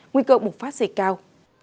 nguy cơ bùng phát xảy cao